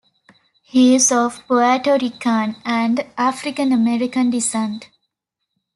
He is of Puerto Rican and African American descent.